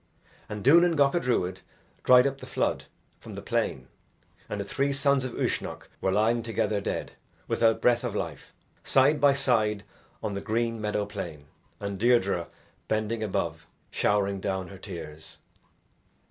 And Duanan Gacha Druid dried up the flood from the plain and the three sons of Uisnech were lying together dead, without breath of life, side by side on the green meadow plain and Deirdre bending above showering down her tears.